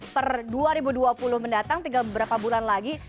per dua ribu dua puluh mendatang tinggal beberapa bulan lagi